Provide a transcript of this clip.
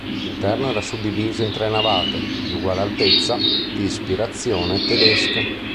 L'interno era suddiviso in tre navate, di uguale altezza, di ispirazione tedesca.